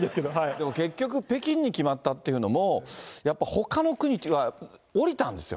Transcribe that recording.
でも結局、北京に決まったというのも、やっぱほかの国が下りたんですよ。